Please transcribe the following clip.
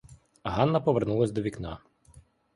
Ганна повернулася до вікна.